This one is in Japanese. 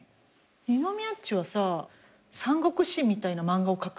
二ノ宮っちはさ『三国志』みたいな漫画を描くよね。